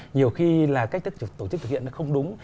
nhiều khi là cách thức tổ chức thực hiện nó không đúng